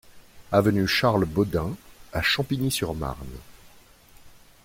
Avenue Charles Baudin à Champigny-sur-Marne